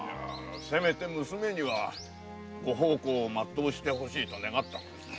せめて娘にはご奉公をまっとうしてほしいと願ったのです。